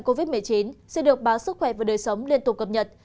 covid một mươi chín sẽ được báo sức khỏe và đời sống liên tục cập nhật